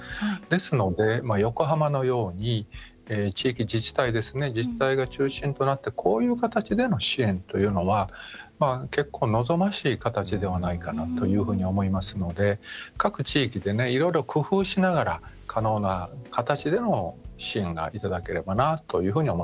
ですので、横浜のように地域、自治体が中心となってこういう形での支援っていうのは結構、望ましい形ではないかなというふうに思いますので各地域で、いろいろ工夫しながら可能な形での支援がいただければなと思っております。